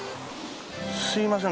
すいません